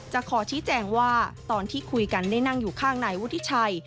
ขอชี้แจงว่าตอนที่คุยกันได้นั่งอยู่ข้างนายวุฒิชัย